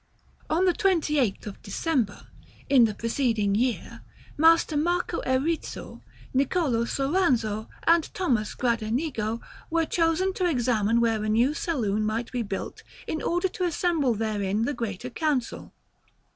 On the 28th of December, in the preceding year, Master Marco Erizzo, Nicolo Soranzo, and Thomas Gradenigo, were chosen to examine where a new saloon might be built in order to assemble therein the Greater Council....